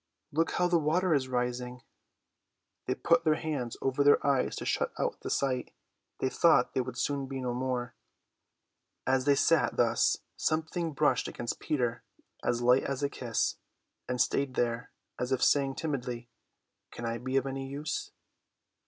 "Look how the water is rising." They put their hands over their eyes to shut out the sight. They thought they would soon be no more. As they sat thus something brushed against Peter as light as a kiss, and stayed there, as if saying timidly, "Can I be of any use?"